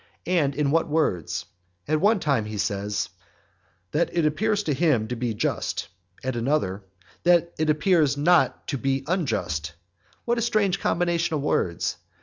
And in what words? At one time he says, "that it appears to him to be just, ..." at another, "that it appears not to be unjust...." What a strange combination of words!